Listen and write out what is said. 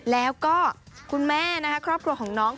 แล้วก็คุณแม่นะคะครอบครัวของน้อง